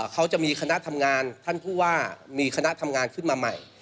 เขาจะมีคณะทำงานท่านผู้ว่ามีคณะทำงานขึ้นมาใหม่